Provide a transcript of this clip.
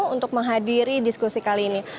untuk menghadiri diskusi kali ini